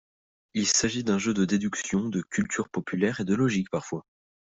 Il s'agit d'un jeu de déduction, de culture populaire et de logique parfois.